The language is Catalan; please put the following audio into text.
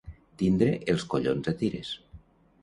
Tindre els collons a tires.